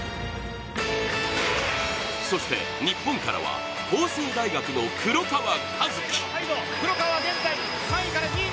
そして日本からは法政大学の黒川和樹。